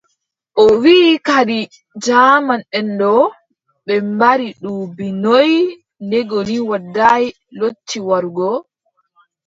O wii kadi jaamanʼen ɗo ɓe mbaɗi duuɓi noy nde Goni Waɗaay lotti warugo ?